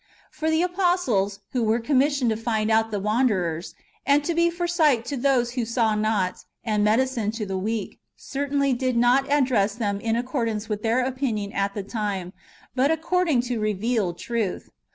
For the apostles, who were commissioned to find out the wanderers, and to be for sight to those who saw not, and medicine to the weak, certainly did not address them in accordance with their opinion at the time, but according to revealed truth.